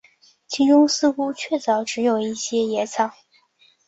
其中似乎确凿只有一些野草